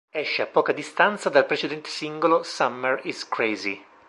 Esce a poca distanza dal precedente singolo "Summer Is Crazy".